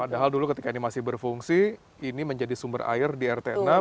padahal dulu ketika ini masih berfungsi ini menjadi sumber air di rt enam